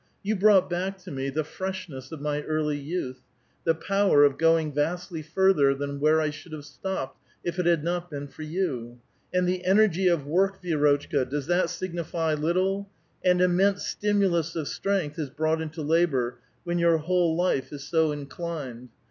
Yon brought back to me the freshness of my early youth, the power of going vastl}*^ further than where I should have stopped, if it had not been for you. And the energy of work, Vidrotchka, does that signify little ! An immense stimulus of strength is brought into labor when your whole life is so inclined.